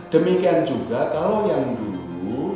demikian juga kalau yang dulu